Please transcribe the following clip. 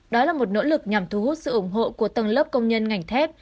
đó là một nỗ lực nhằm thu hút sự ủng hộ của tầng lớp công nhân ngành thép